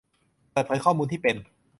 เปิดเผยข้อมูลที่เป็น